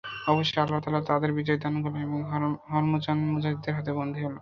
অবশেষে আল্লাহ তাআলা তাদের বিজয় দান করলেন এবং হরমুজান মুজাহিদদের হাতে বন্দী হল।